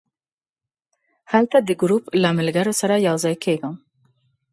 هلته د ګروپ له ملګرو سره یو ځای کېږم.